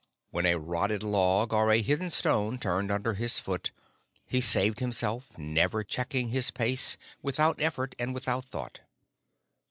When a rotten log or a hidden stone turned under his foot he saved himself, never checking his pace, without effort and without thought.